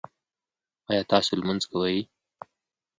ایا تاسو لمونځ کوئ؟